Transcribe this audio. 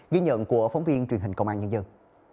ghi nhận của phóng viên truyền hình công an nhân dân